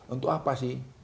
untuk apa sih